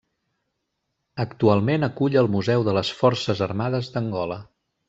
Actualment acull el Museu de les Forces Armades d'Angola.